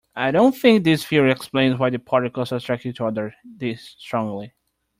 I don't think this theory explains why the particles attract each other this strongly.